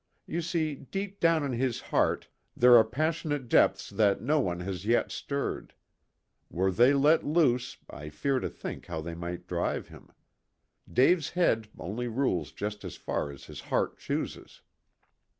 You see, deep down in his heart there are passionate depths that no one has yet stirred. Were they let loose I fear to think how they might drive him. Dave's head only rules just as far as his heart chooses."